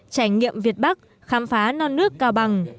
trải nghiệm việt bắc khám phá non nước cao bằng